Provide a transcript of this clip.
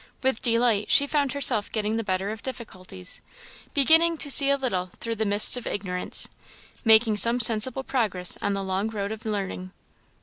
With delight she found herself getting the better of difficulties, beginning to see a little through the mists of ignorance, making some sensible progress on the long road of learning.